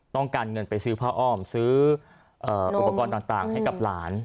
ต้องการเงินไปซื้อผ้าอ้อมซื้ออุปกรณ์ต่างให้กับหลาน